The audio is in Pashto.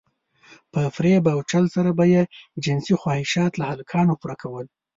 په فريب او چل سره به يې جنسي خواهشات له هلکانو پوره کول.